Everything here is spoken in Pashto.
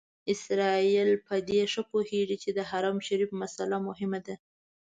اسرائیل په دې ښه پوهېږي چې د حرم شریف مسئله مهمه ده.